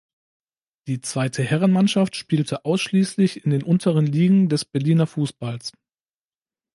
Die zweite Herrenmannschaft spielte ausschließlich in den unteren Ligen des Berliner Fußballs.